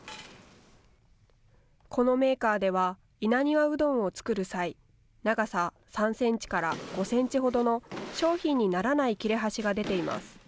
このメーカーでは稲庭うどんを作る際、長さ３センチから５センチほどの商品にならない切れ端が出ています。